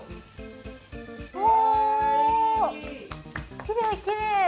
おー、きれい、きれい。